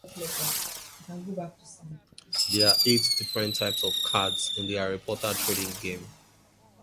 There are eight different types of cards in the "Harry Potter Trading Card Game".